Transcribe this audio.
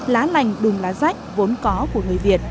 lá lành đùm lá rách vốn có của người việt